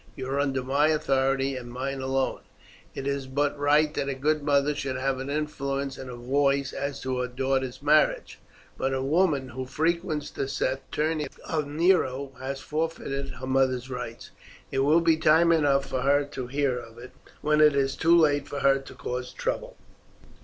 You are under my authority and mine alone. It is but right that a good mother should have an influence and a voice as to her daughter's marriage; but a woman who frequents the saturnalia of Nero has forfeited her mother's rights. It will be time enough for her to hear of it when it is too late for her to cause trouble.